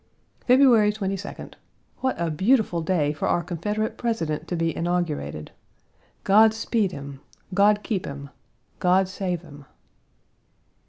February 22d. What a beautiful day for our Confederate President to be inaugurated! God speed him; God keep him; God save him!